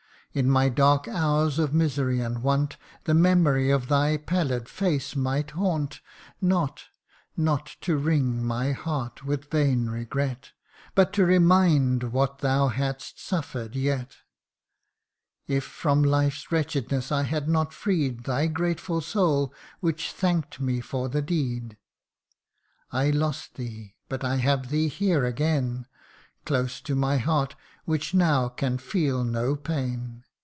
In my dark hours of misery and want, The memory of thy pallid face might haunt, Not, not to wring my heart with vain regret, But to remind what thou hadst suffer'd yet, If from life's wretchedness I had not freed Thy grateful soul, which thank'd me for the deed. 96 THE UNDYING ONE. I lost thee but I have thee here again, Close to the heart which now can feel no pain.